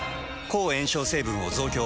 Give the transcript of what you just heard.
抗炎症成分を増強。